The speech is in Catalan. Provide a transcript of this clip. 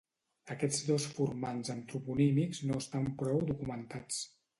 Aquests dos formants antroponímics no estan prou documentats.